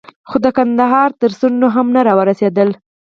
خو د کندهار تر څنډو هم نه را ورسېدل.